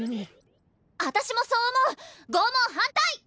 私もそう思う拷問反対！